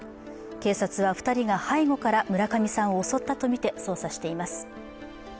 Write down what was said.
警察は２人が背後から村上さんを襲ったとみて捜査しています。